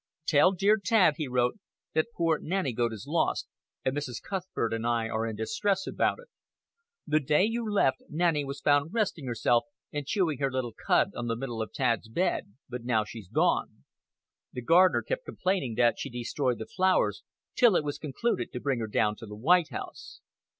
"Tell dear Tad," he wrote, "that poor Nanny Goat is lost, and Mrs. Cuthbert and I are in distress about it. The day you left, Nanny was found resting herself and chewing her little cud on the middle of Tad's bed; but now she's gone! The gardener kept complaining that she destroyed the flowers, till it was concluded to bring her down to the White House.